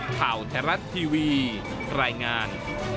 ข้าวเทราะท์ทีวีรายงาน